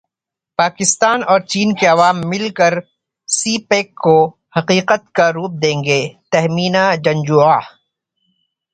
پاکستان اور چین کے عوام مل کر سی پیک کو حقیقت کا روپ دیں گے تہمینہ جنجوعہ